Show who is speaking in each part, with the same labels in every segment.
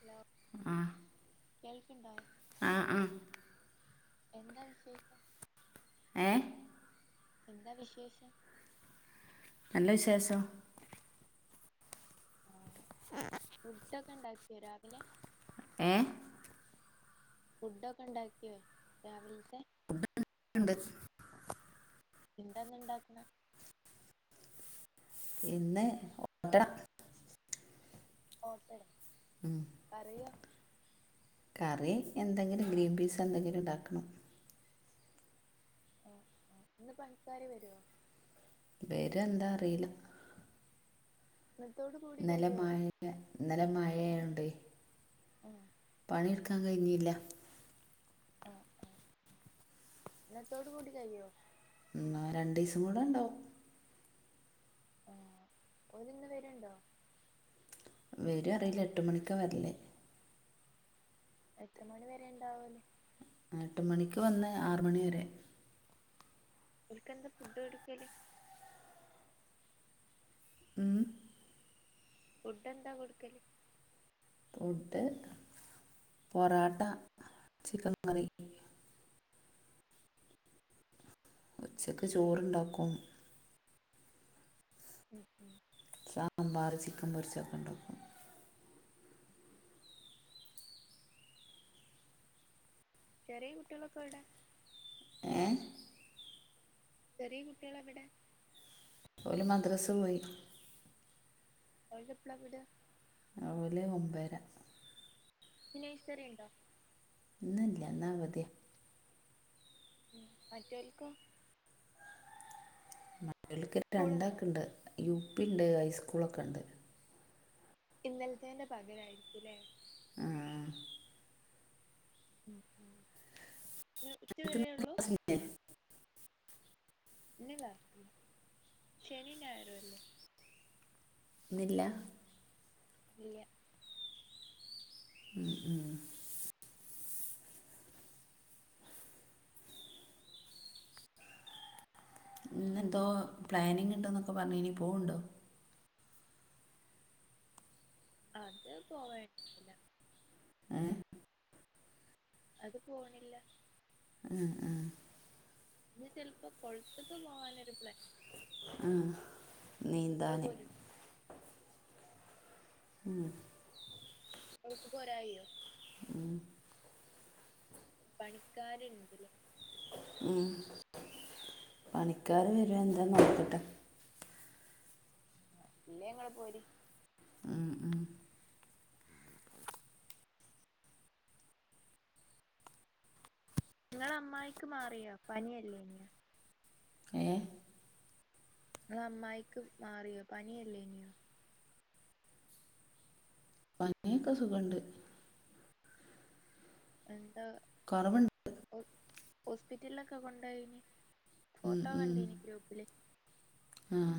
Speaker 1: Hello
Speaker 2: ആഹ്
Speaker 1: കേൾക്ക്ണ്ടോ
Speaker 2: [unintelligible]
Speaker 1: എന്താ വിശേഷം?
Speaker 2: ഏഹ്
Speaker 1: എന്താ വിശേഷം?
Speaker 2: നല്ല വിശേഷോം
Speaker 1: ആഹ് ഫുഡൊക്കെ ണ്ടാക്കിയോ രാവിലെ
Speaker 2: ഏ
Speaker 1: ഫുഡൊക്കെ ണ്ടാക്കിയോ രാവിൽത്തെ
Speaker 2: ണ്ട്
Speaker 1: എന്താന്ന്ണ്ടാക്ണേ
Speaker 2: ഇന്ന് ഓട്ടട
Speaker 1: ഓട്ടട
Speaker 2: ഉം.
Speaker 1: അറിയ
Speaker 2: കറി എന്തെങ്കിലും ഗ്രീൻ പീസ് എന്തെങ്കിലും ഉണ്ടാക്കണം
Speaker 1: ആഹ് ആഹ് ഇന്ന് പണിക്കാര് വരോ?
Speaker 2: വരോ എന്താ അറില
Speaker 1: ഇന്നത്തോട് കൂടി
Speaker 2: ഇന്നലെ
Speaker 1: കയ്യോ
Speaker 2: മയയെ ഇന്നലെ മയയെണ്ട്
Speaker 1: ആഹ്
Speaker 2: പണി എടുക് ക്കാൻ കഴിഞ്ഞില്ല
Speaker 1: ആഹ് ആഹ് ഇന്നത്തോട് കൂടി കയിയോ
Speaker 2: ന്നാ രണ്ടീസം കൂടെ ണ്ടാവും
Speaker 1: ആഹ് ഓല് ന്ന് വര്ണ്ടോ
Speaker 2: വരോ അറിയില്ല എട്ട് മണിക്കാ വര്ല്
Speaker 1: എത്ര മണി വരെ ണ്ടാഓല്
Speaker 2: എട്ട് മണിക്ക് വന്ന് ആറ് മണി വരെ
Speaker 1: ഓൽക്ക് എന്താ ഫുഡ് ഒടുക്കല്
Speaker 2: ഉം
Speaker 1: ഫുഡ് എന്താ കൊടുക്കല്?
Speaker 2: ഫുഡ് പൊറാട്ട ചിക്കൻ കറി ഉച്ചക്ക് ചോറ്ണ്ടാക്കും
Speaker 1: ഉം ഉം
Speaker 2: സാമ്പാർ ചിക്കൻ പൊരിച്ചൊക്കെ ണ്ടാക്കും
Speaker 1: ചെറിയ കുട്ടിളൊക്കെ എവിടെ?
Speaker 2: ഏഹ്
Speaker 1: ചെറിയ കുട്ടികള എവിടെ
Speaker 2: അതുഅല്ല മദ്രസ പോയി
Speaker 1: പൈകപ്പള വിട് [unintelligible]
Speaker 2: രാവിലെ ഒമ്പര
Speaker 1: ഇന്ന് നഴ്സി ഉണ്ടോ
Speaker 2: ഇന്ന് ഇല്ല ഇന്ന് അവധിയാ
Speaker 1: മറ്റെവാൽക്കോ
Speaker 2: എളിക്ക
Speaker 1: സ്കൂളുണ്ടോ
Speaker 2: രണ്ടാക്ക ഉണ്ട് യുപിയുണ്ട് ഹൈസ്കൂളൊക്കെ ഉണ്ട്
Speaker 1: ഇന്നലത്തെന്റെ പകരായിരിക്കൂല്ലേ
Speaker 2: ആഹ്
Speaker 1: ഇന്ന്
Speaker 2: ഇവർക്ക് ഇന്ന്
Speaker 1: ഉച്ചവരെയുള്ളു
Speaker 2: ഇല്ലേ?
Speaker 1: ഇല്ല [unintelligible] ത്തി ശനീയും ഞായറും അല്ലേ
Speaker 2: ഇന്ന് ഇല്ല
Speaker 1: ഇല്ല
Speaker 2: മം ഉം എന്തോ പ്ലാനിങ് ഉണ്ടന്നൊക്കെ പറഞ്ഞു ഇനി പോവണ്ടോ
Speaker 1: അത് പോവണ്ടില്ല
Speaker 2: ഏ
Speaker 1: അത് പോണില്ല
Speaker 2: ഉഹ ഉ
Speaker 1: ഇ ചിലപ്പോ കൊഴത്തക്ക പോകാനരു പ്ല
Speaker 2: ആ നീന്താനേ
Speaker 1: പോര്
Speaker 2: ഉ
Speaker 1: നുക്ക് പോരായിോ പണിക്കാലുണ്ടല്ല
Speaker 2: ഉം പണിക്കാാര് വരു എന്താ നോക്കട്ടെ
Speaker 1: ഇല്ല ങ്ങെ പോര്
Speaker 2: ഉ ഉ
Speaker 1: നിങ്ങള അമ്മായിക്ക് മാറിയോ പനിയല്ലേ ഇനിയ
Speaker 2: ഏ
Speaker 1: അ അമ്മായിക്ക് മാറിയോ പനിയല്ലേ ഇനിയോ
Speaker 2: പനൊക്കെ സുഖണ്ട്
Speaker 1: എന്താ
Speaker 2: കുറവുണ്ട്
Speaker 1: ഹോസ്പിറ്റലിലൊക്കെ കൊണ്ടനി ഫോട്ടോ കണ്ട ഇനി ഗ്രൂപ്പില്
Speaker 2: ആഹ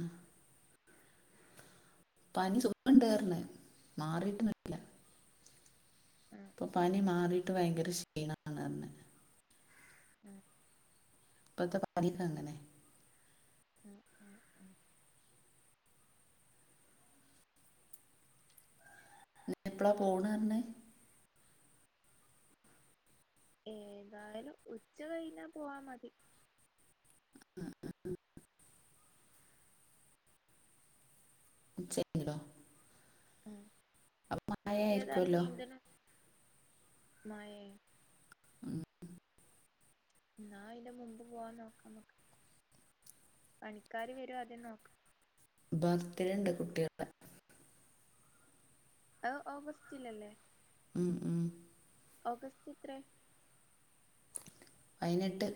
Speaker 2: പനി സുഖംണ്ടറന്ന മാറിയിട്ടന്നട്ടില്ല
Speaker 1: ആഹ്
Speaker 2: ഇപ്പൊ
Speaker 1: ആഹ്
Speaker 2: പനി മാറിയിട്ട് ഭയങ്കര ക്ഷീണണന്ന്െ
Speaker 1: ഉം
Speaker 2: ഇപ്പത്തെ പ അങ്ങനെ
Speaker 1: ഉം ഉം ഉം [unintelligible]
Speaker 2: ന എപ്പളാ പോണന്നെ
Speaker 1: ഏതായാലും ഉച്ച കഴിഞ്ഞാ പോവാ മതി
Speaker 2: ഉം ഉ ഉ [unintelligible]
Speaker 1: ഉം
Speaker 2: അപ്പൊ മഴ
Speaker 1: നിങ്ങൾക്ക് ഏതായാലും
Speaker 2: ആയിരിക്കുമല്ലോ
Speaker 1: നീന്തണം മഴേ
Speaker 2: ഉം
Speaker 1: എന്നാ അയ് ന്റെ മുമ്പ് പോവാൻ നോക്കാ മ്മക്ക് പണിക്കാാര് വരോ ആദ്യം നോക്കാം
Speaker 2: ബര്ത്ഡേ ഇണ്ട് കുട്ടികളെ
Speaker 1: അത് ഓഗസ്റ്റിലല്ലേ
Speaker 2: ഉം ഉം
Speaker 1: ഓഗസ്റ്റ് എത്രേ?
Speaker 2: പയ്നെട്ട്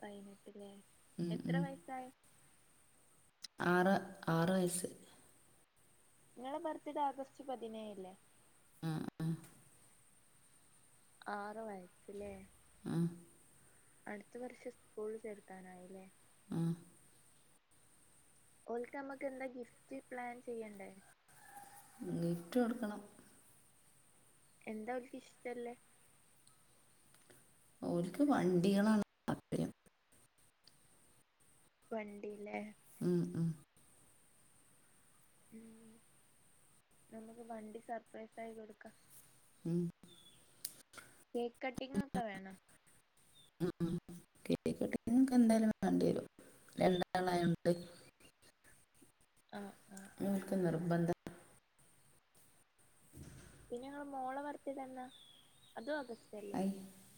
Speaker 1: പതിനെട്ട് ലേ
Speaker 2: ഉം,
Speaker 1: എത്ര
Speaker 2: ഉം.
Speaker 1: വയസായി
Speaker 2: ആറ് ആറ് വയസ്സ്
Speaker 1: ഇങ്ങളെ ബർത്ത്ഡേ ആഗസ്റ്റ് പതിനേഴല്ലേ
Speaker 2: ആ ആ
Speaker 1: ആറ് വയസ്സ് ല്ലേ
Speaker 2: ആ
Speaker 1: അടുത്ത വർഷം സ്കൂള് ചേർക്കാനായില്ലേ
Speaker 2: ആ
Speaker 1: ഓൽക്ക് നമ്മക്ക് എന്താ ഗിഫ്റ്റ് പ്ലാൻ ചെയ്യണ്ടേ
Speaker 2: ഗിഫ്റ്റ് കൊടുക്കണം
Speaker 1: എന്താ ഓൾക്ക് ഇഷ്ട്ടമില്ലെ
Speaker 2: ഓലക്ക് വണ്ടികളാണ് താൽപര്യം
Speaker 1: വണ്ടി
Speaker 2: ഉം ഉം
Speaker 1: ഉം നമുക്ക് വണ്ടി സർപ്രൈസ് ആയി കൊടുക്കാം
Speaker 2: ഉം
Speaker 1: കേക്ക് കട്ടിങ്ങ് ഒക്കെ വേണം
Speaker 2: ഉം കേക്ക് കട്ടിങ്ങക്കെ എന്തായാലും വേണ്ടി വരും രണ്ടാളായോണ്ട്
Speaker 1: ആഹ് ആ
Speaker 2: ഓൽക്ക് നിർബന്ധ
Speaker 1: പിന്നെ നിങ്ങടെ മോളെ ബർത്ഡേ എന്നാ അതും ഓഗസ്റ്റ് അല്ലേ
Speaker 2: ഐ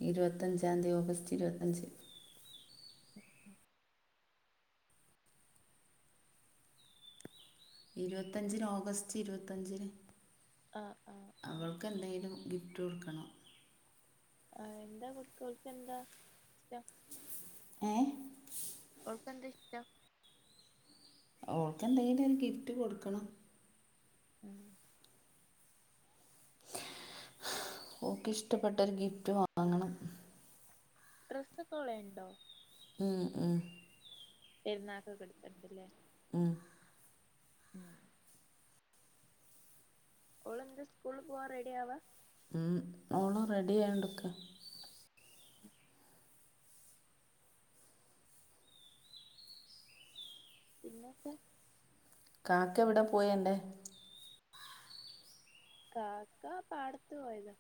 Speaker 2: ഇരുപത്തഞ്ചാംതി ഓഗസ്റ്റ് ഇരുപത്തഞ്ച് ഇരുപത്തഞ്ചിന് ഓഗസ്റ്റ് ഇരുപത്തഞ്ചിന്
Speaker 1: ആഹ് ആഹ് ആഹ്
Speaker 2: അവൾക്ക് എന്തെലും ഗിഫ് ഫ്റ്റ് കൊടുക്കണം
Speaker 1: ആഹ് എന്താ കൊട്ക്കാ ഓൾക്ക് എന്താ ഇഷ്ട്ടം
Speaker 2: ഏഹ്
Speaker 1: ൾക്കെന്താ ഇഷ്ട്ടം
Speaker 2: ഓൾക്കെന്തെങ്കിലും ഒരു ഗിഫ്റ്റ് കൊടുക്കണം
Speaker 1: ഉം
Speaker 2: ഓക്ക് ഇഷ്ടപ്പെട്ടൊരു ഗിഫ്റ്റ് വാങ്ങണം
Speaker 1: ഡ്രസ്സൊക്കോളെ ണ്ടോ
Speaker 2: ആഹ് ആഹ്
Speaker 1: പെരുന്നാക്കൊക്കെ ഇട്ത്ത് കൊടുത്തില്ലേ
Speaker 2: ഉം
Speaker 1: ഉം ഓളെന്താ സ്കൂള് പോവാ റെഡിയാവാ
Speaker 2: ഉം ഓള് റെഡിയായോണ്ട്ക്കാ
Speaker 1: പിന്നെന്താ
Speaker 2: കാക്ക എവിടെ പോയെന്റെ
Speaker 1: കാക്ക പാടത്തു പോയതാ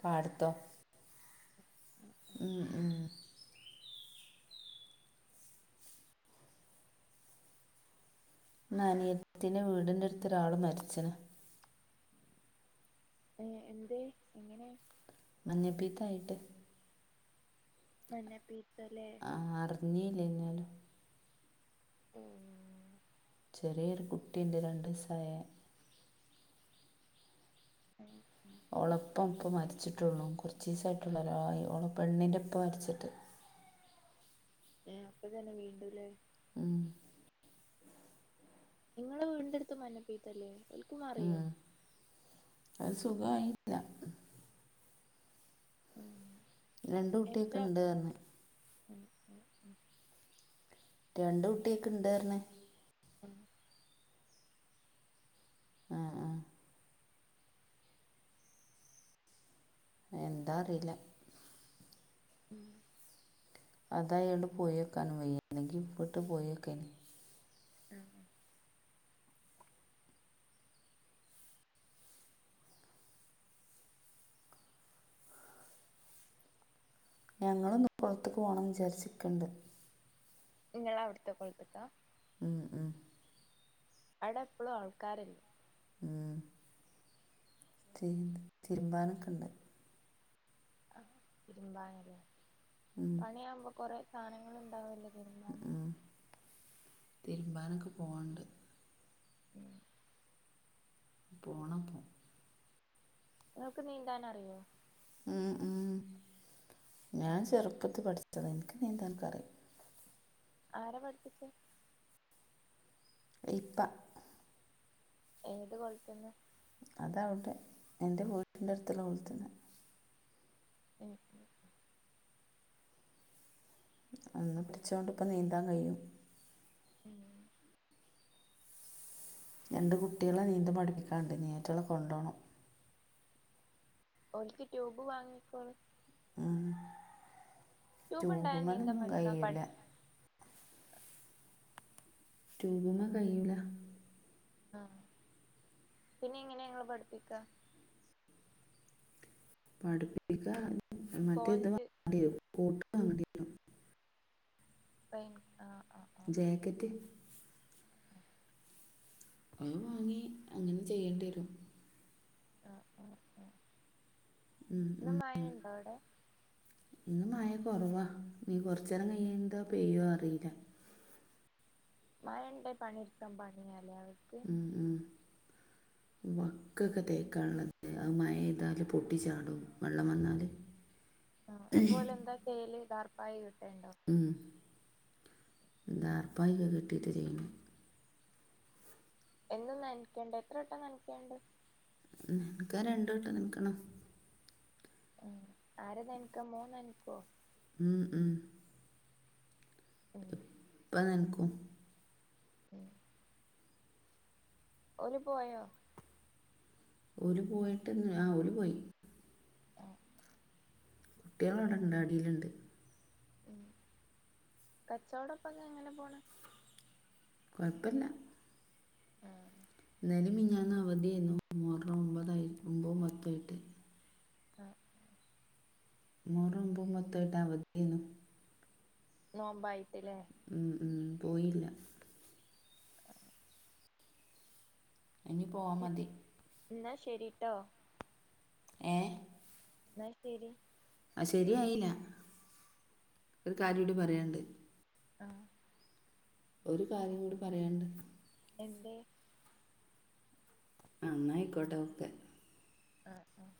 Speaker 2: പാടത്തോ
Speaker 1: ഉം ഉം
Speaker 2: ഉം ഉം ഇന്നനീയത്തിന്റെ വീടിന്റെ അടുത്തൊരാള് മരിച്ചന്
Speaker 1: ഏഹ് എന്തേ എങ്ങനെയാ
Speaker 2: മഞ്ഞപ്പിത്തായിട്ട്
Speaker 1: മഞ്ഞപ്പി
Speaker 2: ആഹ് അറിഞ്ഞേ ഇല്ല ഇന്നലെ
Speaker 1: ഉം
Speaker 2: ചെറിയൊരു കുട്ടീണ്ട് രണ്ട് വയസ്സായ
Speaker 1: ഉം ഉം
Speaker 2: ഓളപ്പം ഇപ്പം മരിച്ചിട്ടുള്ളൂ കുറച്ചിസായിട്ടുള്ളൂ ഒരായോ ഓളെ പെണ്ണിന്റുപ്പ മരിച്ചിട്ട്
Speaker 1: ഏ അപ്പൊ തന്നെ വീണ്ടുല്ലേ
Speaker 2: ഉം
Speaker 1: നിങ്ങളെ വീടിന്റെ അടുത്ത് മഞ്ഞപ്പീത്തല്ലേ ഓൽക്ക് മാറിയോ
Speaker 2: ഉം അത് സുഖവായില്ല
Speaker 1: ഉം
Speaker 2: രണ്ട്
Speaker 1: എത്ര
Speaker 2: കുട്ടിയക്ക് ഇണ്ട് പറഞ്ഞ്
Speaker 1: ഉം ഉം ഉം
Speaker 2: രണ്ട് കുട്ടിയേക്ക് ഇണ്ട് പറഞ്ഞ്
Speaker 1: ഉം
Speaker 2: ആഹ് -ആഹ് എന്താ അറിയില്ല
Speaker 1: ഉം
Speaker 2: അതായോണ്ട് പോയോക്കാനും വയ്യ അല്ലെങ്കി ഇപ്പട്ട് പോയോക്കേനി
Speaker 1: ഉം
Speaker 2: ഞങ്ങളും ഒന്ന് പൊറത്ത്ക്ക് പോണം വിജാരിച്ചിക്ക്ണ്ട്
Speaker 1: നിങ്ങളവ്ട്ത്ത കൊൾത്ത്ക്കാ
Speaker 2: ഉം -ഉം
Speaker 1: അവ്ടെപ്പളും ആൾക്കാരല്ലേ
Speaker 2: ഉം തിരുമ്പി തിരുമ്പാനൊക്ക്ണ്ട്
Speaker 1: ആ തിരുമ്പാനല്ലേ
Speaker 2: ഉം.
Speaker 1: പണിയാവുമ്പോ കൊറേ സാനങ്ങള്ണ്ടാവില്ലേ മനി
Speaker 2: തിരുമ്പാനൊക്കെ പോണ്ട്
Speaker 1: ഉം
Speaker 2: പോണം പൊ
Speaker 1: നിങ്ങൾക്ക് നീന്താനറിയോ
Speaker 2: ഉം -ഉം ഞാൻ ചെറുപ്പത്ത് പഠിച്ചതാ എനിക്ക് നീന്താനൊക്കറിയാം
Speaker 1: ആരാ പഠിപ്പിച്ചേ
Speaker 2: ഇപ്പ
Speaker 1: ഏത് കൊള്ത്ത്ന്ന്
Speaker 2: അതാവട്ടെ എൻ്റെ വീട്ടിൻ്റെ അടുത്തുള്ള കൊളത്ത്ന്ന്
Speaker 1: ഉം
Speaker 2: അന്ന് പഠിച്ചോണ്ടിപ്പ നീന്താൻ കയ്യും
Speaker 1: ഉം
Speaker 2: രണ്ട് കുട്ടേളെ നീന്തൽ പഠിപ്പിക്കാന്ണ്ട് ഇനി അവറ്റേളെ കൊണ്ടോണം
Speaker 1: ഓൽക്ക് ട്യൂബ് വാങ്ങിക്കോള്
Speaker 2: ഉം
Speaker 1: ട്യൂബ് ഉണ്ടായാ നീന്താൻ
Speaker 2: റ്റൂബുമ്മലൊന്നും
Speaker 1: പഠിക്കാം പ
Speaker 2: കയ്യൂല റ്റൂബുമ്മേ കഴിയ്യൂല
Speaker 1: ആഹ പിന്നെ എങ്ങനെനിങ്ങള് പഠിപ്പിക്ക
Speaker 2: പഠിപ്പിക്ക മറ്റേ ഇത്
Speaker 1: സ്പോഞ്ച്
Speaker 2: വാങ്ങണ്ടരും കൊട്ട് വാങ്ങണ്ടിവരും
Speaker 1: പെൻക് ആ
Speaker 2: ജാക്കറ്റ് അത് വാങ്ങി അങ്ങനെ ചെയ്യേണ്ടിരും ഉം,
Speaker 1: ഇന്നും മയണ്ടോ അവ്ടെ
Speaker 2: ഇന്ന് മയ കൊറവാ നീ കൊറചേരം കയ്യെന്തോ പെയ്യോ അറിയില്ല
Speaker 1: മയണ്ടെ പണിട്ക്കാൻ പണിയാലേ അ
Speaker 2: ഉം ഉ വക്കൊക്കെ തേക്കാള്ളത് അ മയഎയ്താല് പൊട്ടിച്ചാടും വെള്ളം വന്നാല്
Speaker 1: ആ അപ്പൊലെന്താ ചെയ്യല് ദാർപ്പായകെ
Speaker 2: ഉം ദാർപ്പായൊക്കെ കെട്ടിയിട്ട് ചെയ്യണം
Speaker 1: എന്നും ന്നനക്കണ്ടെ എത്ര വട്ടം ന്നനക്കാണ്ട്
Speaker 2: ന്നനക്കാ രണ്ട്വട്ടം ന്നനക്കണം
Speaker 1: ഉ ആരാ ന്നനക്ക മോൻ ന്നനക്കോ
Speaker 2: [unintelligible]
Speaker 1: ഉം
Speaker 2: നൽകു
Speaker 1: ഉം ഒരുര് പോയോ
Speaker 2: ഓര് പോയിട്ട് ആ ഓര് പോയി കുട്ടികള അവിടണ്ട് അടിയിലുണ്ട്
Speaker 1: ഉ കച്ചവടപ്പൊക്കെ എങ്ങനെ പോണ
Speaker 2: കുഴപ്പില്ല
Speaker 1: ഉഹ
Speaker 2: നല മിഞ്ഞന്ന് അവധിയായിരുന്നു മുഹറം മ്പതായി മ്പോ പത്തായിട്ട്
Speaker 1: ആഹ
Speaker 2: മോറുമമ്പത്തായിട്ട അവദിയായിരുന്നു
Speaker 1: നോമ്പയ്
Speaker 2: ഉ പോയില്ല ഇനി പോവാ
Speaker 1: ഉ
Speaker 2: മതി
Speaker 1: എന്നാ ശരിട്ടോ
Speaker 2: ഏ
Speaker 1: എന്നസ്തരി
Speaker 2: ആ ശരിയയിന ഒരു കാര്യം ഇടി പറയണ്ട്
Speaker 1: ആഹ
Speaker 2: ഒരു കാര്യം കൂടി പറയണ്ട്
Speaker 1: എന്ത്
Speaker 2: ആന്നായിക്കോട്ടെ ഒക്കെ
Speaker 1: ആ ഉ